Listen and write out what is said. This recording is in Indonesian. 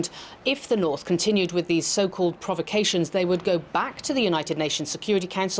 jika tni meneruskan dengan provokasi tersebut mereka akan kembali ke kepala sekuriti tni